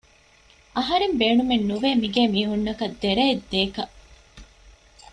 އަހަރެން ބޭނުމެއް ނުވޭ މި ގޭ މީހުންނަކަށް ދެރައެއް ދޭކަށް